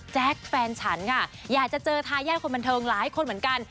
แฟนฉันค่ะอยากจะเจอทายาทคนบันเทิงหลายคนเหมือนกัน